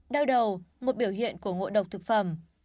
đau đầu một biểu hiện của ngộ độc thực phẩm